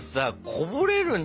こぼれるよ